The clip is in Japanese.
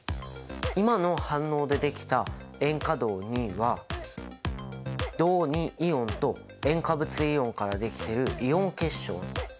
今の反応でできた塩化銅は銅イオンと塩化物イオンからできてるイオン結晶。